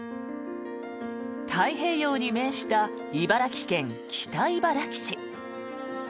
太平洋に面した茨城県北茨城市。